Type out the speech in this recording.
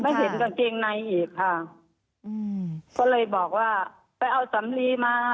เห็นกางเกงในอีกค่ะอืมก็เลยบอกว่าไปเอาสำลีมา